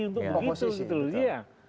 untuk begitu gitu ya